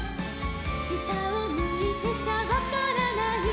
「したをむいてちゃわからない」